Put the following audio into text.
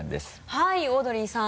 はいオードリーさん。